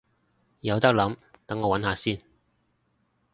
有得諗，等我搵下先